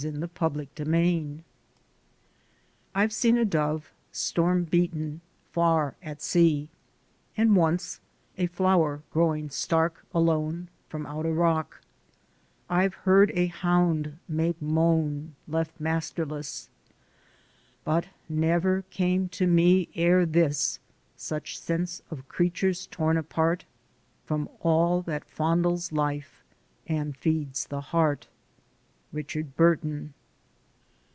I AM CAUGHT AGAIN I've seen a dove, storm beaten, far at sea; And once a flower growing stark alone From out a rock ; I've heard a hound make moan, Left masterless: but never came to me Ere this such sense of creatures torn apart From all that fondles life and feeds the heart. Richard Burton.